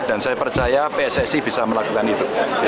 dan saya percaya pssi bisa melakukan itu